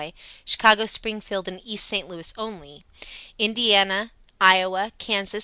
(Chicago, Springfield and East St. Louis only), Ind., Ia., Kans.